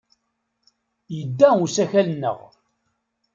Yedda usakal-nneɣ.